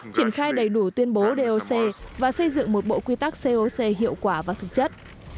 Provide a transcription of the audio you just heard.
triển khai đầy đủ tuyên bố doc và xây dựng một bộ quy tắc coc hiệu quả và thực chất